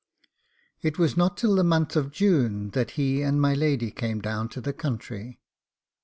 It was not till the month of June that he and my lady came down to the country.